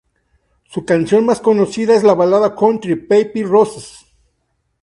Su canción más conocida es la balada country "Paper Roses.